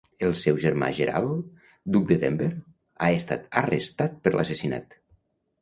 El seu germà Gerald, duc de Denver, ha estat arrestat per l'assassinat.